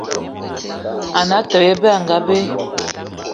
Ane Atёbё Ebe anga be